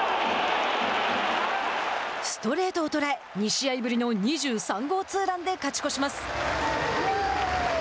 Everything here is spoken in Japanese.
ストレートを捉え２試合ぶりの２３号ツーランで勝ち越します。